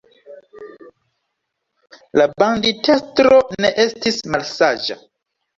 La banditestro ne estis malsaĝa.